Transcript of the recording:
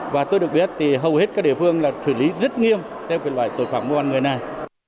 và tôi được biết thì hầu hết các địa phương là xử lý rất nghiêm theo cái loại tội phạm của người này